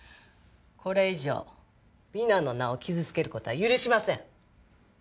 これ以上美南の名を傷つける事は許しません。